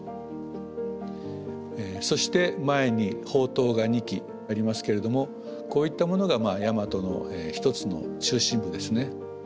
そして前に砲塔が２基ありますけれどもこういったものが大和の一つの中心部ですね。